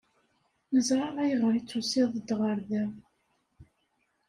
Neẓṛa ayɣer i ttusiḍed ɣer da.